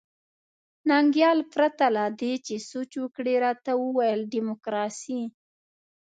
ننګیال پرته له دې چې سوچ وکړي راته وویل ډیموکراسي.